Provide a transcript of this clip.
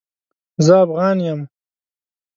زه افغان يم